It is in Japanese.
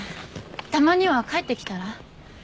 たまには帰ってきたら？